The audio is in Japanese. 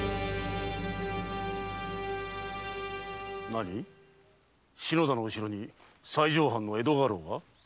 何篠田の後ろに西条藩の江戸家老が？